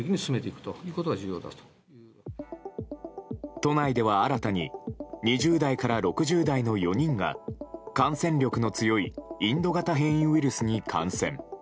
都内では新たに２０代から６０代の４人が感染力の強いインド型変異ウイルスに感染。